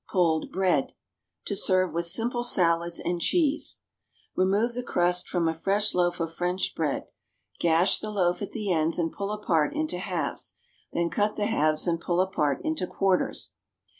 =Pulled Bread.= (To serve with simple salads and cheese.) Remove the crust from a fresh loaf of French bread. Gash the loaf at the ends and pull apart into halves; then cut the halves and pull apart into quarters.